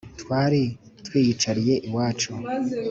twari twiyicariye iwacu